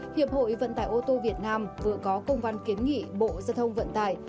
hiệp hội vận tải ô tô việt nam vừa có công văn kiến nghị bộ giao thông vận tải